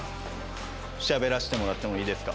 しゃべらせてもらってもいいですか？